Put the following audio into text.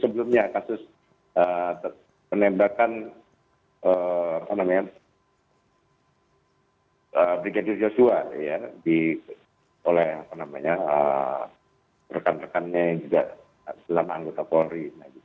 sebelumnya kasus penembakan brigadir joshua oleh rekan rekannya yang juga dalam anggota polri